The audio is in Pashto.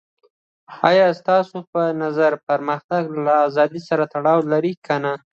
آیا ستاسو په نظر پرمختګ له ازادۍ سره تړاو لري کنه ؟